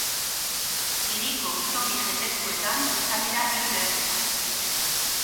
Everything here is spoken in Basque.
Hiriko toki jendetsuetan izan dira hiru leherketak.